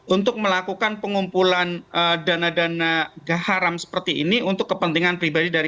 untuk melakukan pengumpulan dana dana haram seperti ini untuk kepentingan pribadi dari